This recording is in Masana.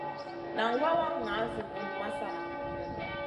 Nan wawa ŋa zi vun masana.